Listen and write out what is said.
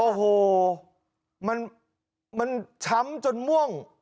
โอ้โหมันช้ำจนม่วง